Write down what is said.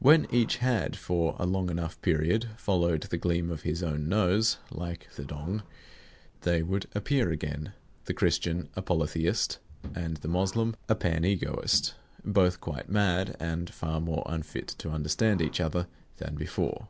When each had, for a long enough period, followed the gleam of his own nose (like the Dong) they would appear again; the Christian a Polytheist, and the Moslem a Panegoist, both quite mad, and far more unfit to understand each other than before.